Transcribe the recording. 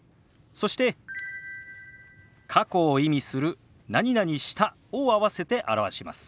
そして過去を意味する「した」を合わせて表します。